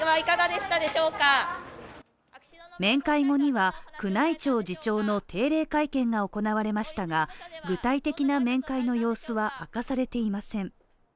面会後には、宮内庁次長の定例会見が行われましたが、具体的な面会の様子は明かされていません。